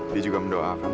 dia juga mendoakan